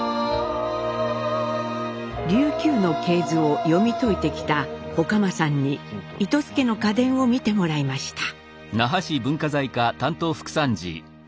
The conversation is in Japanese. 琉球の系図を読み解いてきた外間さんに糸洲家の家伝を見てもらいました。